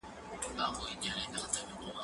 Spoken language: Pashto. کتابونه وليکه،